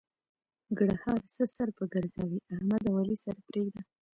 ګړهار: څه سر په ګرځوې؛ احمد او علي سره پرېږده.